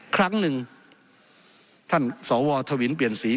ครั้งหนึ่งท่านสวทวินเปลี่ยนสี